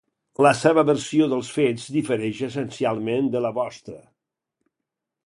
La seva versió dels fets difereix essencialment de la vostra.